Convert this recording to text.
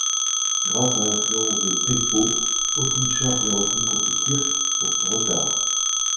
Grâce à l'influence de T'Pau, aucune charge n'est retenue contre Kirk pour son retard.